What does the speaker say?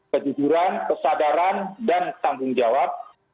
kejujuran kesadaran dan tanggung jawab